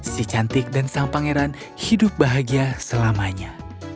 si cantik dan sang pangeran hidup bahagia selamanya